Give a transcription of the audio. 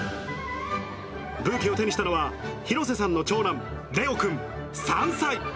ブーケを手にしたのは、廣瀬さんの長男、れおくん３歳。